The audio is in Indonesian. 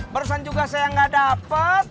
barusan juga saya gak dapet